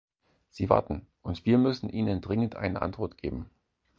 Sie warten, und wir müssen ihnen dringend eine Antwort geben.